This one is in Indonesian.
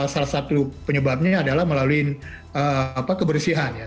salah satu penyebabnya adalah melalui kebersihan ya